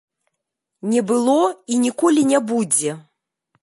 Не было і ніколі не будзе.